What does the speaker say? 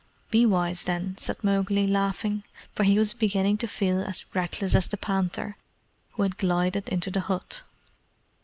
"Be wise, then," said Mowgli, laughing; for he was beginning to feel as reckless as the panther, who had glided into the hut.